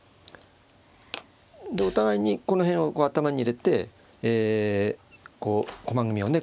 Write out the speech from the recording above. でお互いにこの辺を頭に入れてえこう駒組みをね